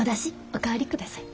お代わりください。